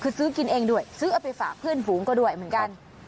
คือซื้อกินเองด้วยซื้อเอาไปฝากเพื่อนฝูงก็ด้วยเหมือนกัน